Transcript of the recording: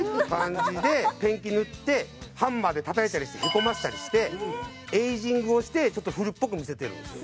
ペンキ塗ってハンマーでたたいたりしてへこませたりしてエイジングをしてちょっと古っぽく見せてるんですよ。